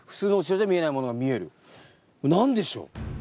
何でしょう？